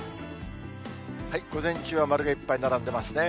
午前中は丸がいっぱい並んでますね。